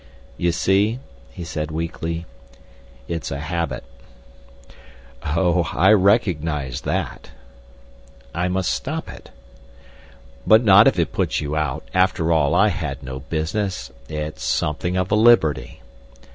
"You see," he said weakly, "it's a habit." "Oh, I recognise that." "I must stop it." "But not if it puts you out. After all, I had no business—it's something of a liberty."